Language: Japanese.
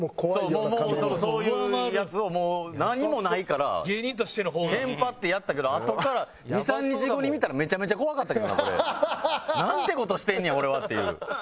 もうそういうやつを何もないからテンパってやったけどあとから２３日後に見たらめちゃめちゃ怖かったけどなこれ。なんて事してんねや俺はっていう。